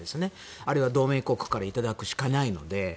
あるいは同盟国からいただくしかないので。